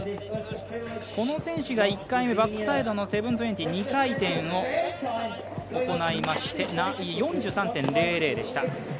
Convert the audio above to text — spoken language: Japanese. この選手が１回目バックサイドの７２０２回転を行いまして、４３．００でした。